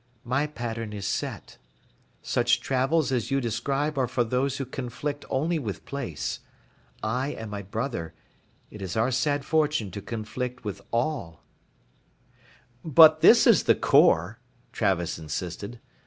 My pattern is set. Such travels as you describe are for those who conflict only with place. I, and my brother, it is our sad fortune to conflict with all." "But this is the core," Travis insisted.